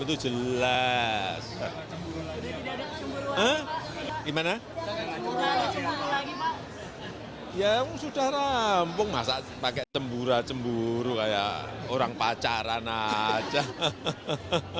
itu jelas gimana ya sudah rampung masak pakai cembura cemburu kayak orang pacaran aja hahaha